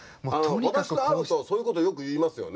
私と会うとそういうことよく言いますよね。